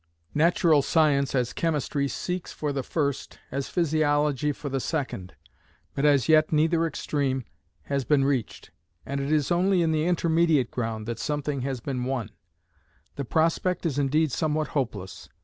Natural science as chemistry seeks for the first, as physiology for the second. But as yet neither extreme has been reached, and it is only in the intermediate ground that something has been won. The prospect is indeed somewhat hopeless.